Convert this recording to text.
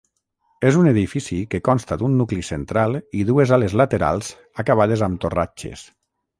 És un edifici que consta d'un nucli central i dues ales laterals acabades amb torratxes.